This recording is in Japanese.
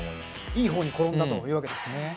いい方に転んだということですね。